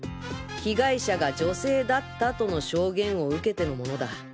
被害者が女性だったとの証言を受けてのものだ。